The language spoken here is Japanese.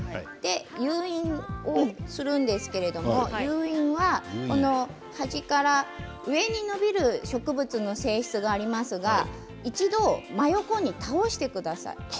誘引するんですけれど誘引は端から上に伸びる植物の性質がありますので一度、真横に倒してください。